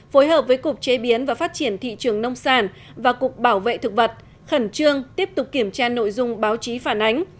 phối hợp với cục chế biến và phát triển thị trường nông sản và cục bảo vệ thực vật khẩn trương tiếp tục kiểm tra nội dung báo chí phản ánh